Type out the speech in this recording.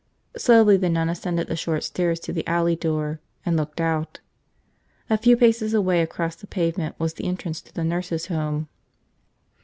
Slowly the nun ascended the short stairs to the alley door and looked out. A few paces away across the pavement was the entrance to the nurses' home.